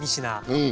うん。